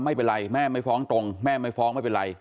ไม่เป็นไรแม่ไม่ฟ้องตรงแม่ไม่ฟ้องไม่เป็นไร